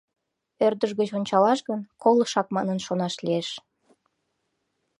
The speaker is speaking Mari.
Ӧрдыж гыч ончалаш гын, колышак манын шонаш лиеш.